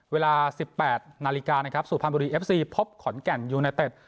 เวลาสิบแปดนาฬิกาสุพันธ์บริเอฟซีพบขอนแก่นยูไนเต็ด